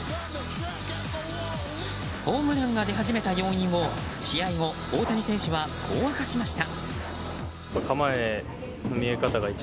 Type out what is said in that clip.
ホームランが出始めた要因を試合後、大谷選手はこう明かしました。